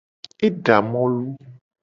E da molu.